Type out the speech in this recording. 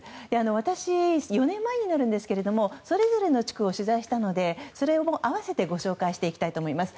私、４年前になるんですがそれぞれの地区を取材したのでそれも併せてご紹介していきたいと思います。